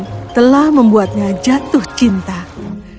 dia adalah putri seorang pensiunan kolonel